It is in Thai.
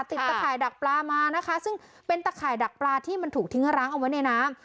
ตะข่ายดักปลามานะคะซึ่งเป็นตะข่ายดักปลาที่มันถูกทิ้งร้างเอาไว้ในน้ำ